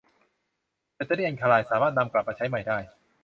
แบตเตอรี่อัลคาไลน์สามารถนำกลับมาใช้ใหม่ได้